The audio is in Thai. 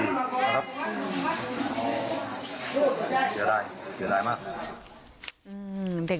เสียดายเสียดายมาก